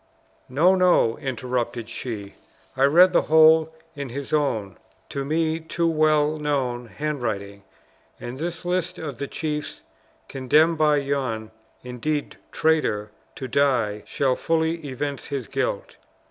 "No, no," interrupted she; "I read the whole in his own to me too well known handwriting; and this list of the chiefs, condemned by you, indeed, traitor! to die, shall fully evince his guilt.